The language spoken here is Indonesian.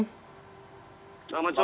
selamat sore mas umam